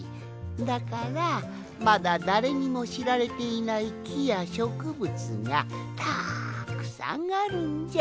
だからまだだれにもしられていないきやしょくぶつがたっくさんあるんじゃ。